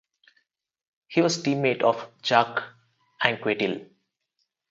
He was teammate of Jacques Anquetil.